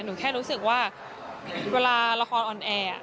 หนูแค่รู้สึกว่าเวลาละครออนแอร์